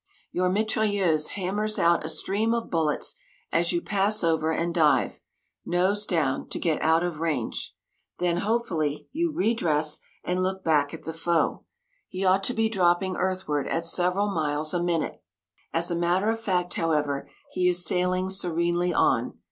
Your mitrailleuse hammers out a stream of bullets as you pass over and dive, nose down, to get out of range. Then, hopefully, you re dress and look back at the foe. He ought to be dropping earthward at several miles a minute. As a matter of fact, however, he is sailing serenely on.